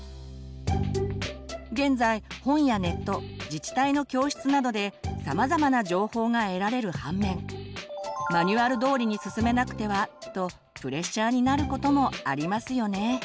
現在本やネット自治体の教室などでさまざまな情報が得られる反面マニュアル通りに進めなくてはとプレッシャーになることもありますよね。